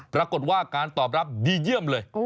ปรากฏว่าการตอบรับดีเยี่ยมเลย